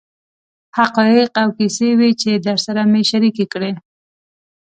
حقایق او کیسې وې چې درسره مې شریکې کړې.